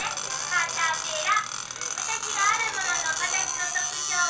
カタペラ。